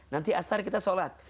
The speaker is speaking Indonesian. nanti asar kita sholat